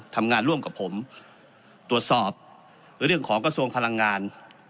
ทำงานร่วมกับผมตรวจสอบเรื่องของกระทรวงพลังงาน